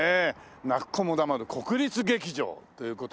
泣く子も黙る国立劇場という事なんで。